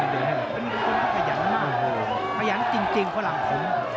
ต้องพยานมากพยานจริงฝรั่งฝุม